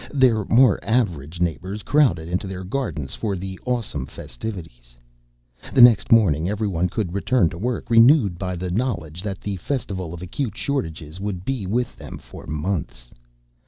Their more average neighbors crowded into their gardens for the awesome festivities. The next morning everyone could return to work, renewed by the knowledge that the Festival of Acute Shortages would be with them for months.